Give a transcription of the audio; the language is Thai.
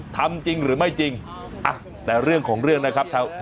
ทำจริงหรือไม่จริงอ่ะแต่เรื่องของเรื่องนะครับ